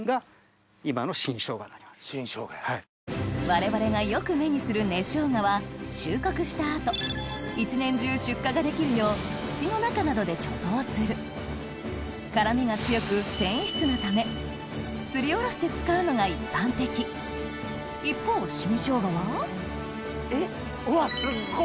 我々がよく目にする根ショウガは収穫した後一年中出荷ができるよう土の中などで貯蔵する辛味が強く繊維質なためすりおろして使うのが一般的一方新ショウガはうわすっご！